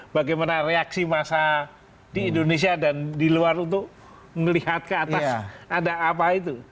bagaimana reaksi massa di indonesia dan di luar untuk melihat ke atas ada apa itu